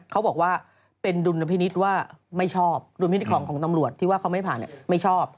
เขาบอกว่าเป็นดุลพินิษฐ์ว่าไม่ชอบดุลพินิษฐ์ของของตำรวจที่ว่าเขาไม่ผ่านไม่ชอบ